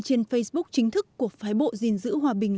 để thực hiện tất cả các kế hoạch